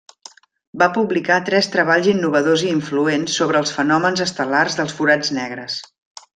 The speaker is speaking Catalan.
Va publicar tres treballs innovadors i influents sobre els fenòmens estel·lars dels forats negres.